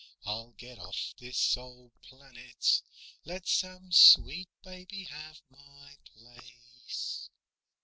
I'll get off this old planet, Let some sweet baby have my place.